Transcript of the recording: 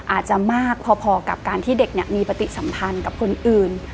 อาจจะมากพอกับการที่เด็กมีปฏิสัมพันธ์กับคนอื่น